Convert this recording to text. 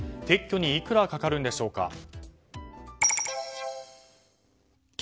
撤去にいくらかかるんでしょうか。